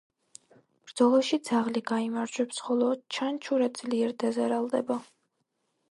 ბრძოლაში ძაღლი გაიმარჯვებს, ხოლო ჩანჩურა ძლიერ დაზარალდება.